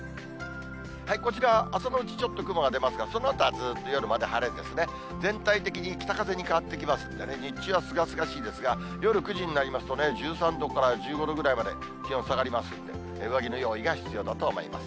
こちら、朝のうちちょっと雲が出ますが、そのあとはずっと夜まで晴れですね、全体的に北風に変わってきますんでね、日中はすがすがしいですが、夜９時になりますとね、１３度から１５度ぐらいまで気温下がりますんで、上着の用意が必要だと思います。